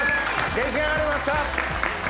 出来上がりました！